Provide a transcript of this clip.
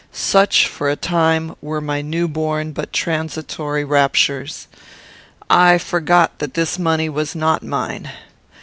"Such, for a time, were my new born but transitory raptures. I forgot that this money was not mine.